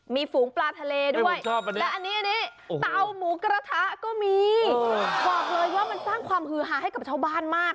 มีฝูงปลาทะเลด้วยและอันนี้เตาหมูกระทะก็มีบอกเลยว่ามันสร้างความฮือฮาให้กับชาวบ้านมาก